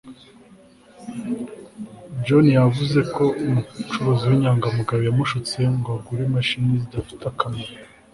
John yavuze ko umucuruzi winyangamugayo yamushutse ngo agure imashini zidafite akamaro